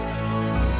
tidak akan kamu siapkan